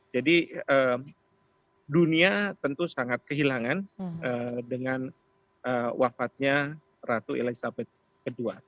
jadi dunia tentu sangat kehilangan dengan wafatnya ratu elizabeth ii